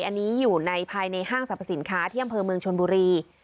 อันนี้อยู่ในภายในห้างสรรพสินค้าที่อำเภอเมืองชนบุรี